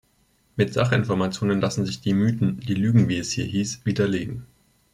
Mit Sachinformationen lassen sich die Mythen, die Lügen, wie es hier hieß, widerlegen.